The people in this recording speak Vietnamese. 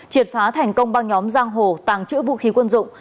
triệt phá thành công băng nhóm giang hồ tàng trữ vũ khí quân dụng